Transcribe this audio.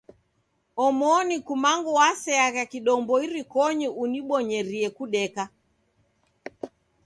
Omoni kumangu waseagha kidombo irikonyi unibonyerie kudeka.